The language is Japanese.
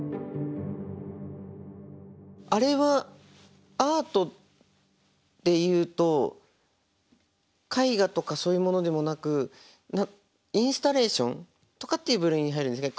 あれはアートっていうと絵画とかそういうものでもなくインスタレーションとかっていう部類に入るんですか？